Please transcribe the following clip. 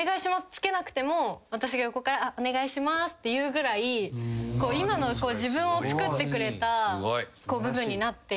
付けなくても私が横から「お願いします」って言うぐらい今の自分をつくってくれた部分になっていて。